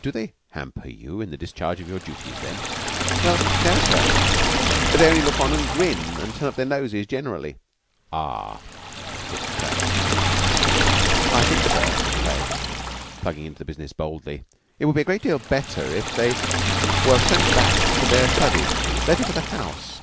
"Do they hamper you in the discharge of your duties, then?" "Well, no, sir. They only look on and grin and turn up their noses generally." "Ah," said Prout sympathetically. "I think, sir," said Craye, plunging into the business boldly, "it would be a great deal better if they were sent back to their study better for the house.